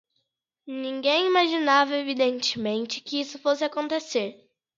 Ninguém imaginava, evidentemente, que isso fosse acontecer